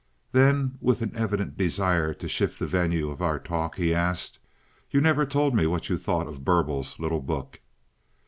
Then with an evident desire to shift the venue of our talk, he asked, "You never told me what you thought of Burble's little book."